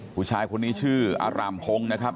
ผู้ชายคนนี้ชื่ออารามพงศ์นะครับ